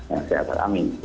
yang sehat amin